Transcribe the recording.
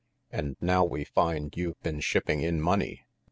And now we find you've been shipping in money.